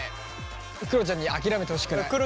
くろちゃんに諦めてほしくない。